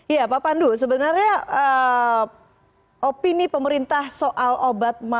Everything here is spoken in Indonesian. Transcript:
iya pak pandu sebenarnya opini pemerintah soal obat